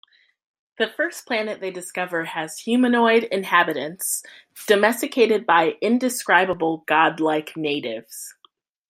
The first planet they discover has humanoid inhabitants domesticated by indescribable godlike natives.